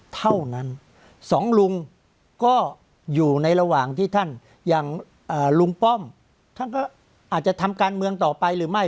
เท่านั้นสองลุงก็อยู่ในระหว่างที่ท่านอย่างลุงป้อมท่านก็อาจจะทำการเมืองต่อไปหรือไม่